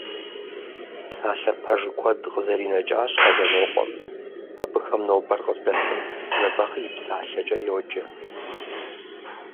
Псалъэ пэж куэд къызэринэкӀащ Къэзанокъуэм, абыхэм нобэр къыздэсым Жэбагъы и псалъэкӀэ йоджэ.